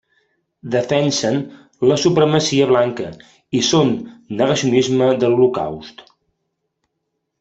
Defensen la supremacia blanca i són negacionisme de l'Holocaust.